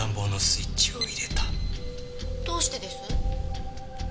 どうしてです？